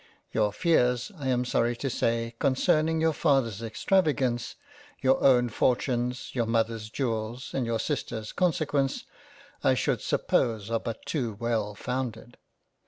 Your fears I am sorry to say, concerning your father's extravagance, your own fortunes, your Mothers Jewels and your Sister's consequence, I should suppose are but too well founded.